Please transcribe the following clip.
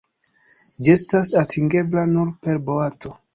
Ĝi estas atingebla nur per boato.